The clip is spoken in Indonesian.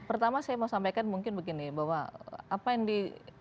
pertama saya mau sampaikan mungkin begini bahwa apa yang di